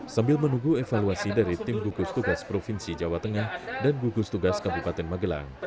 sambil menunggu evaluasi dari tim gugus tugas provinsi jawa tengah dan gugus tugas kabupaten magelang